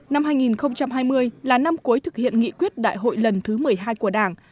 năm hai nghìn hai mươi là năm cuối thực hiện nghị quyết đại hội lần thứ một mươi hai của đảng